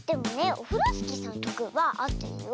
オフロスキーさんのきょくはあってるよ。